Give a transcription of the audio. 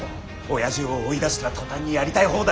おやじを追い出したら途端にやりたい放題だ。